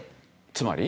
つまり？